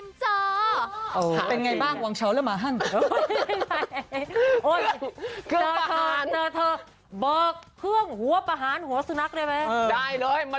ไม่ว่าจะเลี่ยงภูมิที่กงภูมิใจภูมิใจภูมิ